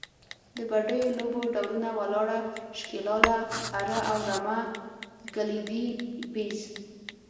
د بډیو لوبو ډولونه، ولاړه، شکیلاله، اره او رمه، ګیلدي، بیز …